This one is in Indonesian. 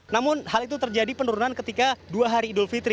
namun hal itu terjadi penurunan ketika dua hari idul fitri